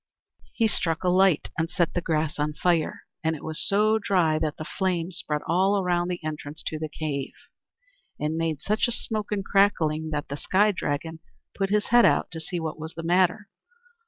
He struck a light, and set the grass on fire, and it was so dry that the flames spread all around the entrance to the cave, and made such a smoke and crackling that the Sky Dragon put his head out to see what was the matter.